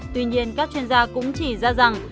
tuy nhiên các chuyên gia cũng chỉ ra rằng